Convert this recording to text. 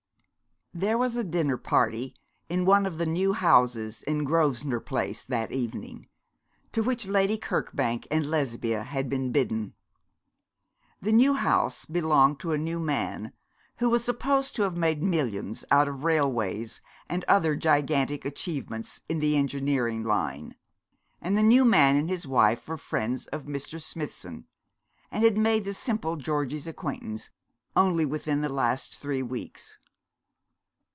There was a dinner party in one of the new houses in Grosvenor Place that evening, to which Lady Kirkbank and Lesbia had been bidden. The new house belonged to a new man, who was supposed to have made millions out of railways, and other gigantic achievements in the engineering line; and the new man and his wife were friends of Mr. Smithson, and had made the simple Georgie's acquaintance only within the last three weeks.